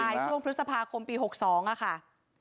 พี่หนอคลายช่วงพฤษภาคมปี๖๒อะค่ะ